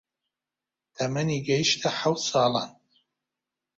تەمەنی گەیشتە حەوت ساڵان